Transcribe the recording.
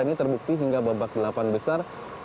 ini terbukti hingga babak delapan besar